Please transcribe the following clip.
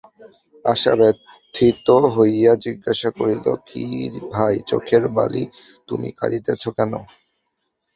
আশা ব্যথিত হইয়া জিজ্ঞাসা করিল, কী ভাই চোখের বালি, তুমি কাঁদিতেছ কেন?